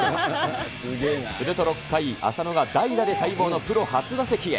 すると６回、浅野が代打で待望のプロ初打席へ。